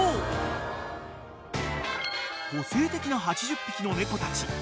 ［個性的な８０匹の猫たち］